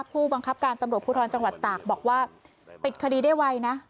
ผู้บังคับการตำรวจภูทรจังหวัดตากบอกว่าปิดคดีได้ไวนะ